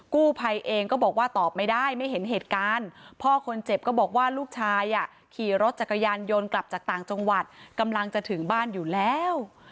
กู้ภัยเองก็บอกว่าตอบไม่ได้ไม่เห็นเหตุการณ์พ่อคนเจ็บก็บอกว่าลูกชายขี่รถจักรยานยนต์กลับจากต่างจังหวัดกำลังจะถึงบ้านอยู่แล้ว